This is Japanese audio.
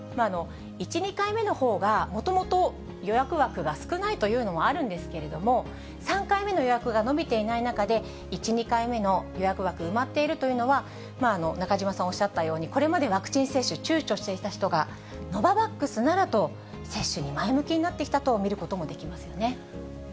１、２回目のほうが、もともと予約枠が少ないというのもあるんですけれども、３回目の予約が伸びていない中で、１、２回目の予約枠埋まっているというのは、中島さんおっしゃったように、これまでワクチン接種、ちゅうちょしていた人が、ノババックスならと、接種に前向きになってきたと見ることもできますよね。